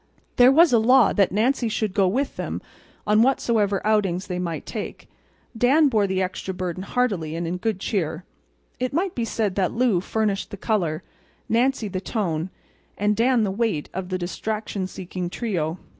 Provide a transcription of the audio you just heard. There was a law that Nancy should go with them on whatsoever outings they might take. Dan bore the extra burden heartily and in good cheer. It might be said that Lou furnished the color, Nancy the tone, and Dan the weight of the distraction seeking trio.